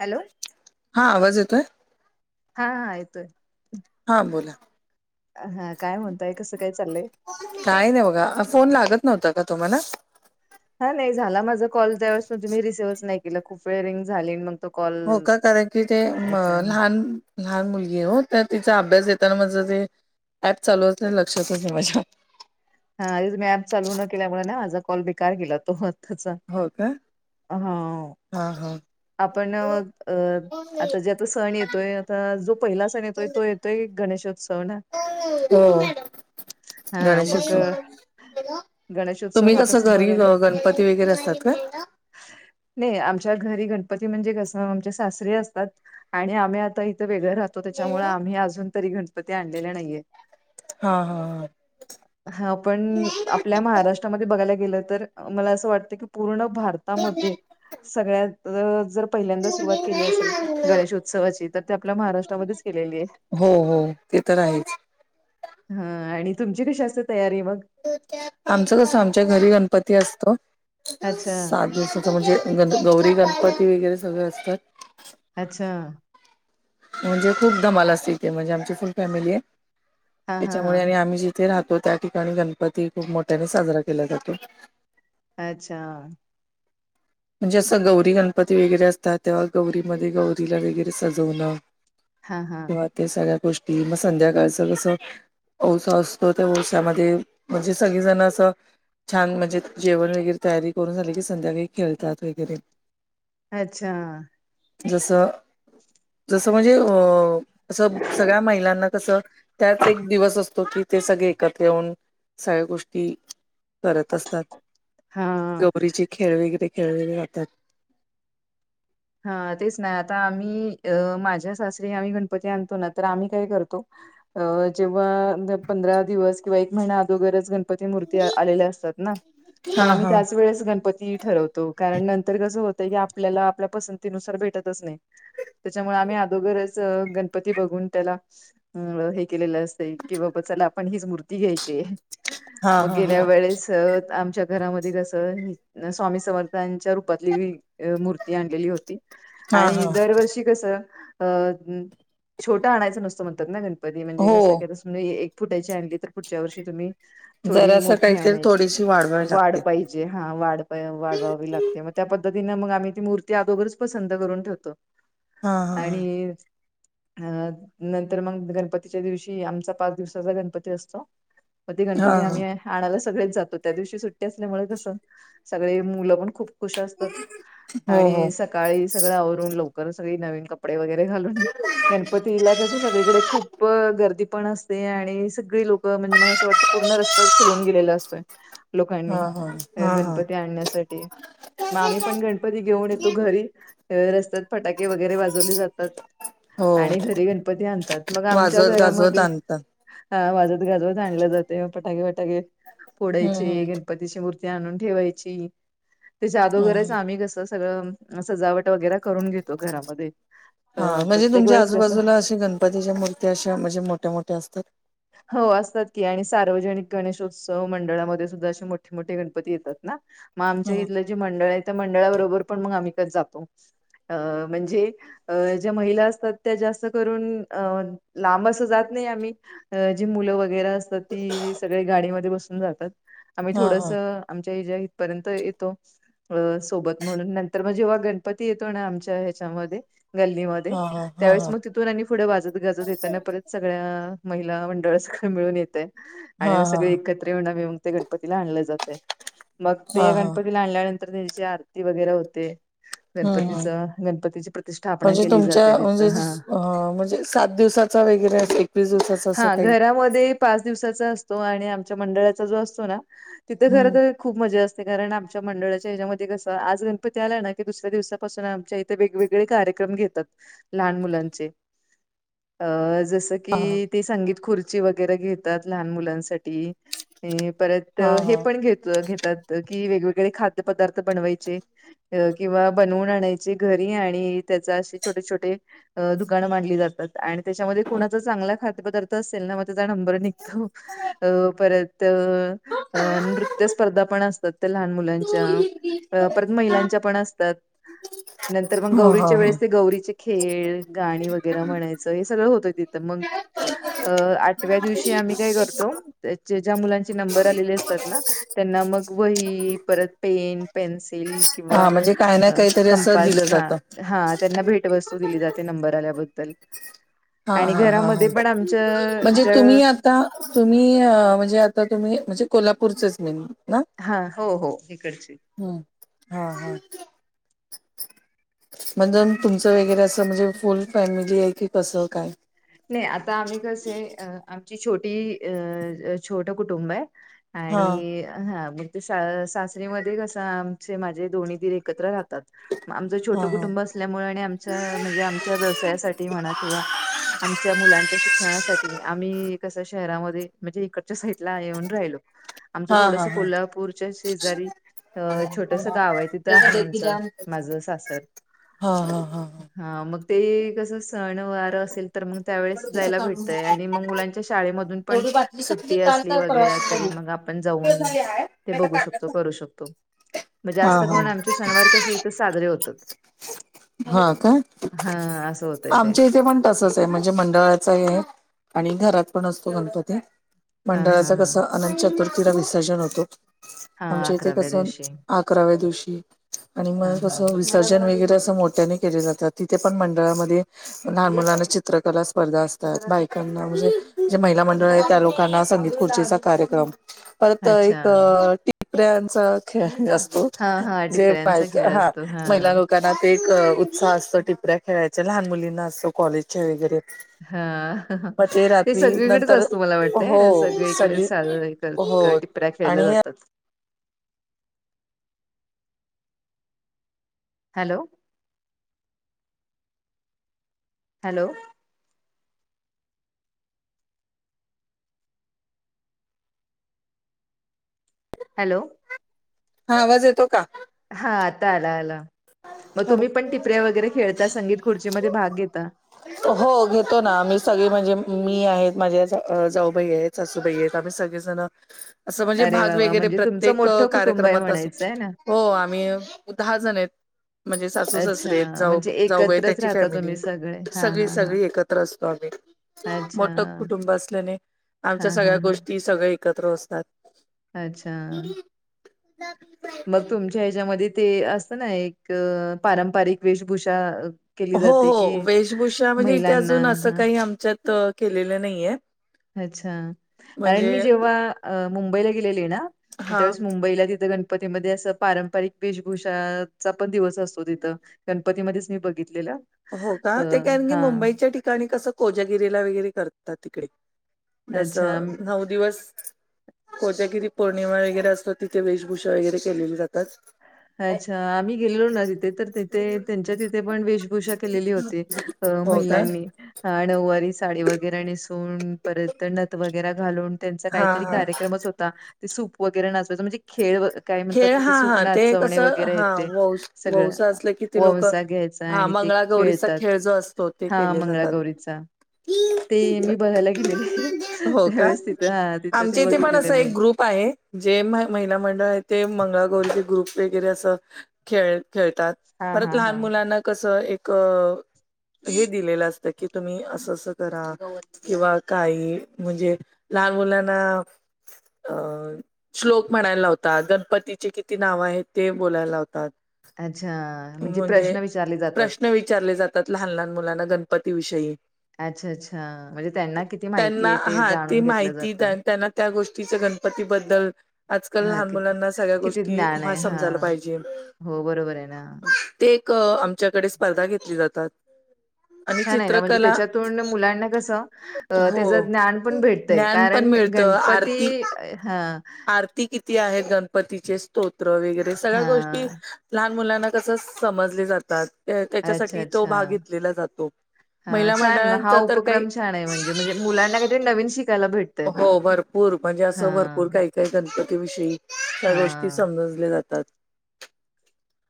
Hello हा आवाज येतोय हा हा येतोय हां बोला. हा काय म्हणताय कसं काय चाललंय? काही नाही बघा फोन लागत नव्हता का तुम्हाला? हा नाही झाला माझा कॉल त्यावेळेस तूम्ही रिसीव्हच नाही केला खूप वेळ रिंग झाली मग तो कॉल हो का कारण की ते अच्छा लहान लहान मुलगी आहे हो तर तिचा अभ्यास घेताना माझं जे ऍप चालू अस लक्षातचे नाही माझ्या हा आधीच मी ऍप चालू न केल्यामुळे ना माझा कॉल बेकार ग केला तो आताचा होय काय हा हा हा. आपण अ आता जे आता सण येतोय आता जो पहिला सण येतोय तो येतोय गणेशोत्सव ना. हो हा मग. गणेशोत्सव. गणेशोत्सव तुम्ही हा कसं तसं घरी बघायला गणपती वगैरे असतात का? नाही आमच्या घरी गण पती म्हणजे कसं आमचे सासरी असतात आणि आम्ही आता इथे वेगळं राह तो त्याच्यामुळे आम्ही अजून तरी गणपती आणलेले नाहीयेत. हा हा हा. हा पण आपल्या महाराष्ट्रामध्ये बघायला गेलं तर मला असं वाटतं की पूर्ण भार ता मध्ये सगळ्यात जर पहिल्यांदा सुरुवात केली असेल गणेशोत्सवाची तर ते आपल्या महाराष्ट्रामध्येच केलेली आहे. हो हो ते तर आहेच. हा आणि तुमची कशी असते तयारी मग? आमचं कस आमच्या घरी गणपती असत, अच्छा साधू तर म्हणजे गण गौरी गणपती वगैरे सगळें असतात. अच्छा म्हणजे खूप धमाला असते इथे म्हणजे आमची फुल फॅमिली आहे हा हा हा त्याच्यामुळे आणि आम्ही जे ते राहतो त्या ठिकाणी गणपती खूप मोठ्याने साजरा केला जातो. अच्छा म्हणजे असं गौरी गणपती वगैरे असतात तेव्हा गौरीमध्ये गौरीला वगैरे सजवणं. हा हा. किंवा ते सगळ्या गोष्टी मग संध्याकाळचं कसं वौसा असतो त्या वौसामध्ये म्हणजे सगजण असं छान म्हणजे जेवण वगैरे तयारी करून झाले की संध्याकाळी खेळतात वगैरे. अच्छा जसं जसं म्हणजे अ असं सगळ्या महिलांना कसं त्याच एक दिवस असतो की ते सगळे एकत्र येऊन सगळ्या गोष्टी करत असतात. हा गौरीचे खेळ वगैरे खेळले जातात. हा तेच ना आता आम्ही अं माझ्या सासरी आम्ही गणपती आणतो ना तर आम्ही काय करतो अ जेव्हा पंधरा दिवस किंवा एक महिना अदोगर गण गणपती मूर्ती आलेल्या असतात ना मग हा आम्ही हा त्याच वेळेस गणपती ठरवतो. तो कारण नंतर कसं होतय की आपल्याला आपल्या पसंतीनुसार भेटतच नाही. त्याच्यामुळे आम्ही अदोगरच गणपती बघून त्याला हे केलेलं असतय की बाबा चला आपण हीच मूर्ती घ्यायची हा मग हा गेल्या हा वेळेस आमच्या घरामध्ये कस स्वामी समर्थांच्या रूपातली मू र्ती आणलेली होती हा आणि हा दरवर्षी कस अ छोटा आणायचं नसतं म्हणतात ना गणपती म्हणजे हो कसं नई एक फुटायची आणली तर पुढच्या वर्षी तुम्ही जरा थोडी असं मोठी काहीतरी आणायच थोडीशी वाढवाय वाढ लागते. पायी जे हा वाढपायी वाढवावी लागते म त्यापद्धतीने आम्ही ती मूर्त ते अगोगरच पसंत करून ठेवतो हा हा आणि अ नंतर मग गणपतीच्या दिवशी, आमचा पाच दिवसाचा गणपती असतो म ते हा गणपती हा आम्हीये आणायला सगळेच जातो त्या दिवशी सुट्टी असल्यामुळे कस सगळे मुलं पण खूप खुश असतात हो हो आणि सकाळी सगळं आवरून लवकर सगळी नवीन कप डे वगैरे घालून गणपतीला कस सगळीकडे खूप गर्दी पण असते. ते आणि सगळी लोक म्हणजे मला असं वाटतं पूर्ण रस्ता फुलून गेलेला असतोय. लोकांनी हा हा हा हा गणपती आणण्यासाठी मग आम्ही पण गण पती घेऊन येतो घरी रस्त्यात फटाके वगैरे वाजवले जातात. हो आणि घरी गणपती आणतात मग आमच्या वाजवत गाजवत घरामध्ये आणतात. हा वाजत गाजवत आणलं जाते फटाके वटाके हम्म पोडायचे हम्म गणपती तिशी मूर्ती आणून ठेवायची, तेच्या जादोगरच ह आम्ही कस त सगळं सजावट वगैरे करून घेतो घरामध्ये त प्रत्येक वेळेस कसं पतीच्या मूर्त्या अशा म्हणजे मोठ्या मोठ्या असतात. हो असतात की आणि सार्वजनिक गणेशोत्सव मंडळामध्ये सुद्धा, असे मोठे मोठे गणपती येतात ना. म हा आमच्या इथलं जे मंडळ आहे त्या मंडळाबरोबर पण मग आम्ही कधी जातो अ म्हणजे अ ज्या महिला असतात त्या जास्त करून अ लांब अस जात नाही आम्ही अ जी मुलं वगैरे असतात ती सगळे गाडीमध्ये बसून जातात आम्ही हा थोडसं आमच्या हच्या इथपर्यंत येतो अ सोबत म्हणून नंतर म जेव्हा गणपती येतो ना आमच्या ह्याच्यामध्ये गल्लीमध्ये हा हा त्यावेळेस हा मग तिथून आणि पुढे वाजत गाजत येताना परत सगळ्या महि ला मंडळ सगळं मिळून येतय हा हा हा आणि मग हा सगळे एकत्र येऊन आम्ही मग ते गणपतीला आणलं जात मग ते हा या हा गणपतीला आणल्यानंतर त्याची आरती वगैरे होते हं गणपतीच हं गणपतीची प्रतिष्ठापना म्हणजे केली तुमच्या जाते म्हणजे तिथं हा. अ म्हणजे सात दिवसात वगैरे एकवीस दिुसाचा [unintelligible] हा घरामध्ये पाच दिवसाचा असतो, आणि आमच्या मंडळाचा जो असतो ना तिथं खर त हम्म खूप मजा असते कारण, आमच्या मंडळाच्या ह्याच्यामध्ये कसं आज गणपती आला ना की दुसऱ्या दिवसापासून आमच्या इथ ते वेगवेगळे कार्यक्रम घेतात लहान मुलांचे अ जस हा कि ती संगीत खुर्ची वगैरे घेतात लहान मुलांसाठी परत त हा हा हे पण घेतलं घेतात की वेगवेगळे खाद्य पदार्थ बनवायचे अ किंवा बनवून आणायची घरी आणि त्याचा असे छोटे छोटे अ दुकानं मांडली जातात आणि त्याच्यामध्ये कुणाच चांगला खात पदार्थ असेल ना मग त्याचा नंबर निघतो अ परत त अ नृत्य स्पर्धा पण असतात त्या लहान मुलांच्या अ पर त महिलांच्या पण असतात, नंतर मग हा हा गौरीच्या हा वेळेस ते गौरीचे खेळ गाणी वग गैरे म्हणायचं हे सगळं होतं तिथं मग अ आटव्या दिवशी आम्ही काय करतो त्य ज्या मुलांचे नंबर आलेले असतात ना त्यांना मग वही परत पेन पेन्सिल किंवा हा म्हणजे काही ना अ काहीतरी असं कंपास दिलं हा जातं हा त्यांना भेटवस्तू दिली जाते नंबर आल्याबद्दल. हा आणि हा हा हा घरामध्ये पण आमच्या म्हणजे ज्या तुम्ही आ ता तुमी अ म्हणजे आता तुम्ही म्हणजे कोल्हापूरचेच मीन ना हा हो हो इकडची. हूं हा हा! म्हणज तुमचं वगैरे असं म्हणजे फुल फॅमिली आहे की कसं काय? नाही आता आम्ही कसे अ आमची छोटी अ छोट कुटुंब आहे. हा आणि हा म्हण ते सासरीमध्ये कसं आमचे माझे दोन्ही दिर एकत्र राहतात. आमचं हा छोटं हा कुटुंब असल्यामुळ, आणि आमच्या म्हणजे आमच्या व्यवसायासाठी म्हणा किंवा आमच्या मुलांच्या शिक्षणासाठी आम्ही कस शहरामध्ये म्हणजे इकडच्या साईडला येऊन राहिलो आमचं हा थोडस हा हा. कोल्हापूरच्या शेजारी. अ छोटस गाव आहे तिथं त्याचा आहे बेबी आमचं जाम माझं सासर हा हा हा हा. हा मग ते कसं सण वारं असेल तर मग. त्यावेळेस जायला काढून भेटतय आणि मग घेतली मुलांच्या शाळेमधून पण तेवढी बाटली संपली सुट्टी काल असली का परवा वगैर तरी मग. आपण जाऊन ते बघू शकतो करू शकतो. म हा जास्त हा. करून आमचे सनवार कसे इथच साजरे होतात. हं का हां, असं होतंय ते. आमच्या इथे पण तसच आहे म्हणजे मंडळाचा हे आणि घरात पण असतो गणपती. हां, मंडळाच हां, कस हां. अनंत चतुर्थीला विसर्जन होतो हां, आमच्या इथे कस आ दिवशी. अकराव्या दिवशी आणि म हां, कस हां. विसर्जन वगैरे असं मोठ्याने केले जातात तिथे पण मंडळामध्ये लहान मुलाना चित्रकला स्पर्धा असतात बायकांना म्हणजे जे महिला मंडळ आहे त्या लोक संगीत खुर्चीचा कार्यक्रम परत अच्छा. एक टिपऱ्यांचा. ख जास्त हां, हां. जे टिपऱ्यांचा बायक खेळ हा. असतो. हां, दकनात एक उत्साह असतो टिपऱ्या खेळायच्या लहान मुलींना असतो कॉलेजच्या वगैरे हा मग ते रात्री सगळीकडेच नंतर असतो मला वाटतंय हो आणि सगळीकडे. सगळी हो टिपऱ्या खेळल्या आणि जातात. Hello hello. हॅलो हा आवाज येतो का. हा आता आला आला मग हॅलो तुम्ही पण टिपऱ्या वगैरे खेळता संगीत खुर्चीमध्ये भाग घेता. हो घेतो ना मी सगळी म्हणजे मी आहेत माझ्या जाऊबाई आहेत. सासूबाई आहेत आम्ही सगळेजण. [inaudible] असं म्हणजे अरे भाग वा वा वगैरे म्हणजे तुमचं प्रत्येक मोठं कुटुंब आहे कार्यक्रमात असो म्हणायचं आहे ना. हो आम्ही दहा जण आहेत. म्हणजे सासू अच्छा ससर जा म्हणजे एकत्रच त्यांची राहता फॅमिली तुम्ही सगळे हा सगळी हा हा. सगळी एकत. असतो आम्ही अच्छा मोठ कुटुंब असल्याने. हा आमच्या सगळ्या हा हा गोष्टी सगळ्या एकत्र असतात. अच्छा! मग तुमच्या ह्याच्यामध्ये ते असतं ना एक पारंपरिक वेशभूषा. केली हो जाते की हो वेशभूषा म्हणजे इथे महिलांना अजून असं हा काही आमच्यात केलेलं नाहीये अच्छा कारण म्हणजे मी जेव्हा अ मुंबईला गेलेली आहे ना. हा त्यावेळेस मुंबईला तिथं गण. गणपतीमध्येध्ये असं पारंपरिक वेशभूषाचा पण दिवस असतो तिथं. गणपतीमध्येध्येच मी बघितलेला. हो का ते कारण की मुंबईच्या ठिकाणी कसं कोजागिरीला वगैरे करतात तिकडे. जस अच्छा. नऊ दिवस. कोणठ्या किती पौर्णिमा वगैरे असतात तिथे वेशभूषा वगैरे केलेली जातात. अच्छा आम्ही गेलो ना तिथे तर तिथे त्यांच्या तिथे पण वेश. पूषा केलेली होती अ हो का? महिलांनी. हा नऊवारी साडी वगैरे नेसून परत तर नत वगैरे घालून त्यांचा हां काहीतरी हां. कार्यक्रमच होता ते सूप वगैरे नाचवायच म्हणजे खेळ काय म्हणतात क ते सूपच तस हा वौ वौस असलं की ते लोक वंसा घ्यायचा हा आणि ते मंगळागौरीचा खेळतात. खेळ जो अस. तोते हां, केले जातात. मंगळागौरीचा. ते मी बघायला गेलेले आहे हो का? त्यावेळेस तिथं हा तिथं ते आमच्या इथे पण बघितलेले असा मी. एक ग्रुप आहे जे महिला मंडळ आहे ते मंगळागौरचे ग्रुप वगैरे असं. खेळ खेळतात हां, परत हां, लहान हां. मुलांना कसं एक. हे दिलेलं असतं की तुम्ही असं असं करा किंवा काही म्हणजे. लहान मुलांना अ श्लोक. म्हणायला लावतात गणपतीचे किती नाव आहेत ते बोलायला लावतात. अच्छा म्हणजे प्रश्न विचारले जातात. प्रश्न विचारले जातात लहान लहान मुलांना गणपतीविषयी. अच्छा अच्छा म्हणजे त्यांना किती माहिती त्यांना आहे ते हा ती जाणून घेतलं माहिती जातं. त्यांना त्या गोष्टीच गणपतीबद्दल. आजकाल हा लहान किती मुलांना सगळ्या किती गोष्टी ज्ञान म आहे हा समजायला पाहिजे हो बरोबर आहे ना. ते एक आमच्याकडे स्पर्धा घेतली जातात. आणि छान आहे ना म्हणजे चित्रकला त्याच्यातून मुलांना कसं अ हो. त्याचं ज्ञान पण भेटत. ज्ञान पण कारण मिळतं गणपती आरती हा. आरती किती आहेत गणपतीचे स्तोत्र वगैरे सगळ्या हा गोष्टी. लहान मुलांना कसं समजली जातात अच्छा त्याच्यासाठी तो अच्छा भाग घेतलेला जातो. हा महिला छान म हा मंडळांचा तर काही उपक्रम छान आहे म्हणजे म्हणजे मुलांना काहीतरी नवीन शिकायला भेट. हो भरपूर म्हणजे असं भरपू भरपूर काही काही गणपतीविषयी त्या गोष्टी हा समजल्या जातात.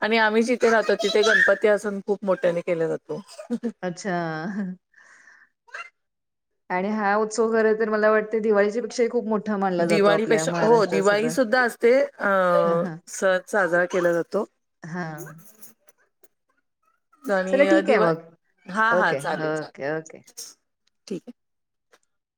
आणि आम्ही जिथे राहतो तिथे गणपती अजुन खूप मोठ्याने केला जातो. अच्छा! आणि हा उत्सव खर तर मला वाटतं दिवाळीच्या पेक्षाही खूप मोठ्ठ दिवाळीपेक्षा हो दिवाळी सुद्धा असते अ. हा सण साजरा केला जातो. हा. चला आणि ठीक आहे दिव मग. हा हा ओके, चालेल ओके, ओके. चालेल ठीक आहे.